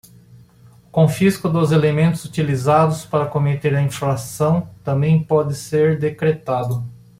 O confisco dos elementos utilizados para cometer a infração também pode ser decretado.